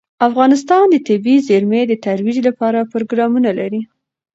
افغانستان د طبیعي زیرمې د ترویج لپاره پروګرامونه لري.